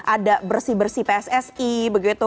ada bersih bersih pssi begitu